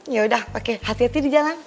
yaudah oke hati hati di jalan